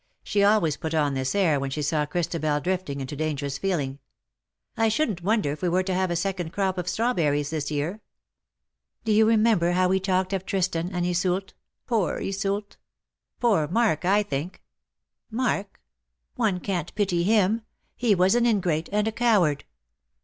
She always put on this air when she saw Christa bel drifting into dangerous feeling. " I shouldn't wonder if we were to have a second crop of straw berries this year.'' ^^ Do you remember how we talked of Tristan and Iseult — poor Iseult ?" "Poor Marc, I think." '^ Marc ? One can't pity him. He was an ingrate, and a coward."